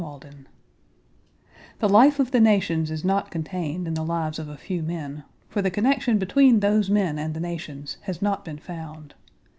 CHAPTER V The life of the nations is not contained in the lives of a few men, for the connection between those men and the nations has not been found.